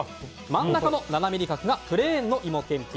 真ん中の７ｍｍ角がプレーンの芋けんぴ。